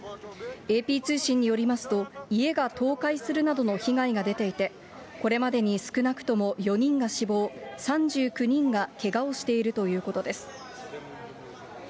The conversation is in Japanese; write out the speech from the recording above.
ＡＰ通信によりますと、家が倒壊するなどの被害が出ていて、これまでに少なくとも４人が死亡、３９人がけがをしているということです。